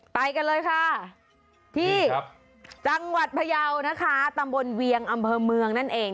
ไปกันเลยค่ะที่จังหวัดพยาวนะคะตำบลเวียงอำเภอเมืองนั่นเอง